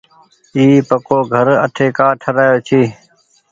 اي پڪوگهر آٺي ڪآ ٺرآيو ڇي۔